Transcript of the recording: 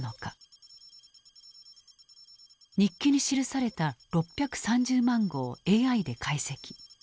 日記に記された６３０万語をＡＩで解析。